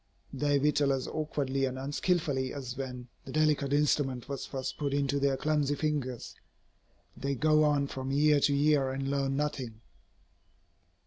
They whittle as awkwardly and unskilfully as when the delicate instrument was first put into their clumsy fingers. They go on from year to year and learn nothing.